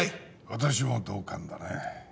私も同感だね